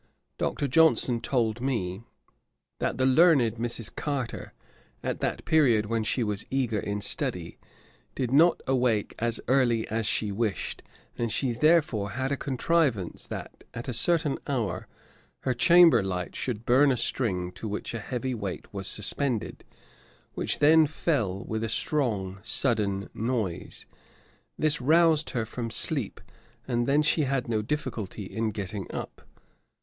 Dr. Johnson told me, 'that the learned Mrs. Carter, at that period when she was eager in study, did not awake as early as she wished, and she therefore had a contrivance, that, at a certain hour, her chamber light should burn a string to which a heavy weight was suspended, which then fell with a strong sudden noise: this roused her from sleep, and then she had no difficulty in getting up.'